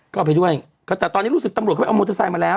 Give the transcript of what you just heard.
ก็เอาไปด้วยก็แต่ตอนนี้รู้สึกตำรวจเข้าไปเอามอเตอร์ไซค์มาแล้ว